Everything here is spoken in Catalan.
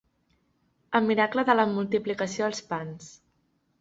El miracle de la multiplicació dels pans.